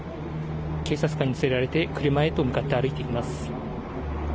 警察官に連れられて、車へと向かって歩いていきます。